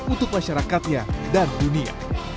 untuk masyarakatnya dan dunia